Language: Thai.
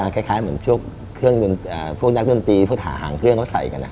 คล้ายเหมือนช่วงพวกนักดนตรีพวกถ่าหางเครื่องเขาใส่กันนะครับ